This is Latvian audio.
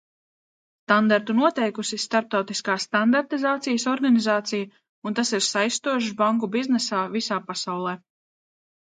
Standartu noteikusi Starptautiskā standartizācijas organizācija un tas ir saistošs banku biznesā visā pasaulē.